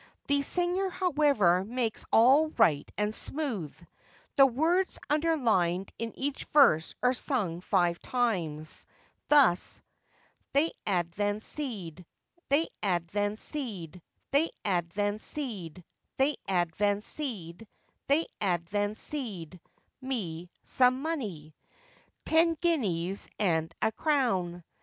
The singer, however, makes all right and smooth! The words underlined in each verse are sung five times, thus:—They ad van cèd, they ad van cèd, they ad van cèd, they ad van cèd, they ad van cèd me some money,—ten guineas and a crown.